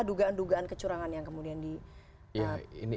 dugaan dugaan kecurangan yang kemudian di